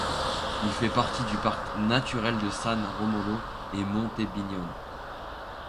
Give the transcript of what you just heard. Il fait partie du parc naturel de San Romolo et Monte Bignone.